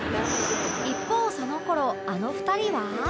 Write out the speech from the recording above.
一方その頃あの２人は